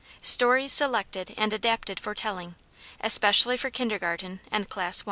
STORIES SELECTED AND ADAPTED FOR TELLING ESPECIALLY FOR KINDERGARTEN AND CLASS I.